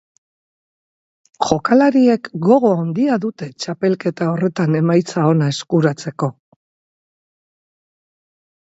Jokalariek gogo handia dute txapelketa horretan emaitza ona eskuratzeko.